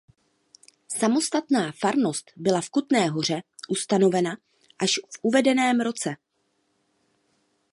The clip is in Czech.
Samostatná farnost byla v Kutné Hoře ustavena až v uvedeném roce.